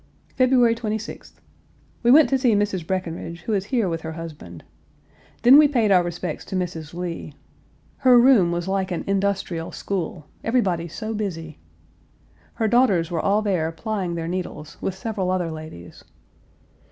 February 26th. We went to see Mrs. Breckinridge, who is here with her husband. Then we paid our respects to Mrs. Lee. Her room was like an industrial school: everybody so busy. Her daughters were all there plying their needles, with several other ladies.